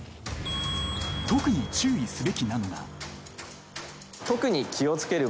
［特に注意すべきなのが］